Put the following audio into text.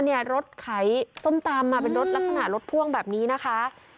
รถขายส้มตำมาเป็นรถลักษณะรถพ่วงแบบนี้นะคะ